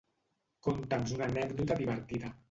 Conta'ns una anècdota divertida.